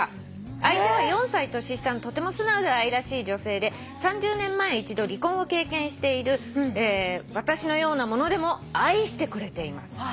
「相手は４歳年下のとても素直で愛らしい女性で３０年前一度離婚を経験している私のような者でも愛してくれています」